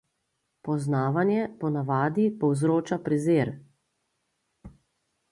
Poznavanje po navadi povzroča prezir.